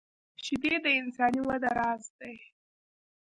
شیدې د انساني وده راز دي